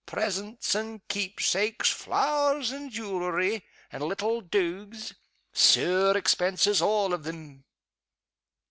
Presents and keep sakes, flowers and jewelery, and little dogues. Sair expenses all of them!"